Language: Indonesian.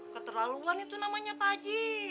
keterlaluan itu namanya pak haji